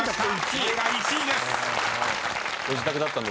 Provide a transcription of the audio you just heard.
「家」が１位です］